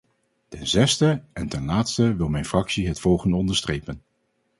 Ten zesde en ten laatste wil mijn fractie het volgende onderstrepen.